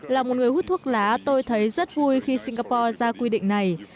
là một người hút thuốc lá tôi thấy rất vui khi singapore ra quy định này